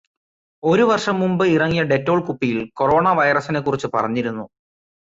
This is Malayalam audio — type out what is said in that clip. ഒരു വർഷം മുൻപ് ഇറങ്ങിയ ഡെറ്റോൾ കുപ്പിയിൽ കൊറോണവൈറസിനെ കുറിച്ചു പറഞ്ഞിരുന്നു